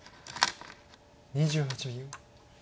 ２８秒。